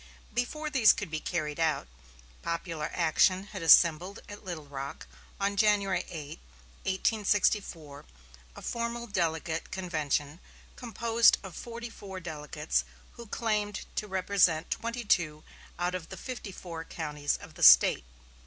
Before these could be carried out, popular action had assembled at Little Rock on January 8, 1864, a formal delegate convention, composed of forty four delegates who claimed to represent twenty two out of the fifty four counties of the State.